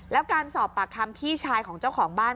แล้วการสอบปากคำพี่ชายของเจ้าของบ้าน